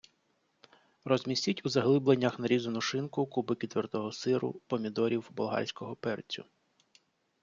розмістіть у заглибленнях нарізану шинку, кубики твердого сиру, помідорів, болгарського перцю.